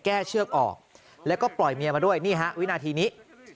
เชือกออกแล้วก็ปล่อยเมียมาด้วยนี่ฮะวินาทีนี้